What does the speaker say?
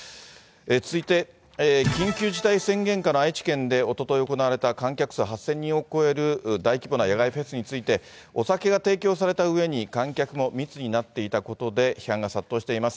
続いて、緊急事態宣言下の愛知県でおととい行われた、観客数８０００人を超える大規模な野外フェスについて、お酒が提供されたうえに観客も密になっていたことで批判が殺到しています。